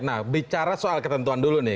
nah bicara soal ketentuan dulu nih